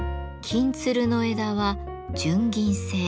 「金鶴」の枝は純銀製。